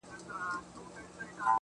جـنــگ له فريادي ســــره.